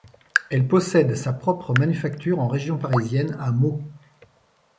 Elle possède sa propre manufacture en région parisienne à Meaux.